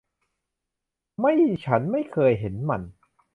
ไม่ฉันไม่เคยเห็นมัน